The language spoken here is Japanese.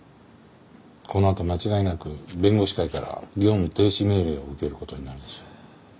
このあと間違いなく弁護士会から業務停止命令を受ける事になるでしょう。